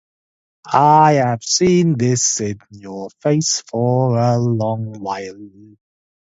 I have seen this in your face a long while.